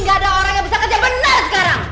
gak ada orang yang bisa kerja benar sekarang